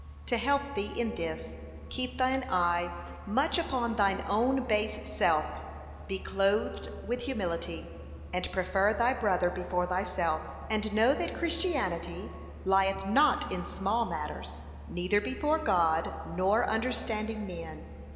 'To help thee in this, keep thine eye much upon thine own base self, be clothed with humility, and prefer thy brother before thyself; and know that Christianity lieth not in small matters, neither before God nor understanding men.'